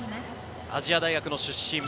亜細亜大学出身。